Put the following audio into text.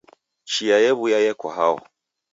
Chia yew'uya yeko hao